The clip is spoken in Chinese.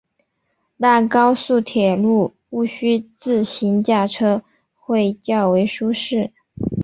但高速铁路毋须自行驾车会较为舒适。